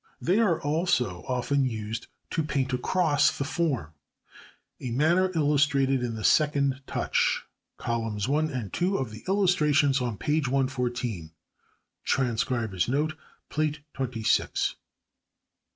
They are also often used to paint across the form, a manner illustrated in the second touch, columns 1 and 2 of the illustration on page 114 [Transcribers Note: Plate XXVI].